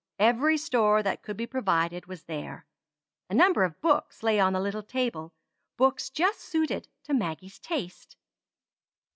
Every store that could be provided was there. A number of books lay on the little table books just suited to Maggie's taste.